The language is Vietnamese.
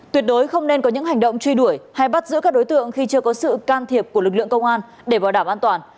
tuyệt đối không nên có những hành động truy đuổi hay bắt giữ các đối tượng khi chưa có sự can thiệp của lực lượng công an để bảo đảm an toàn